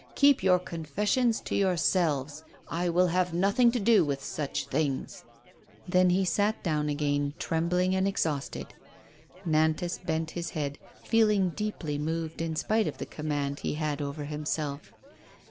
Keep your confes sions to yourselves, I will have nothing to do with such things." Then he sat down again, trembling and exhausted. Nantas bent his head, feeling deeply moved, in spite of the command he had over himself.